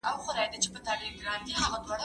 کتابونه د زده کوونکي له خوا ليکل کيږي!.